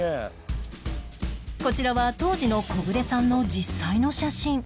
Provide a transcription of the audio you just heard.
こちらは当時のコグレさんの実際の写真